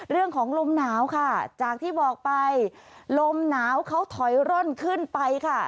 เรื่องของลมหนาวค่ะจากที่บอกไปลมหนาวเขาถอยร่นขึ้นไปค่ะ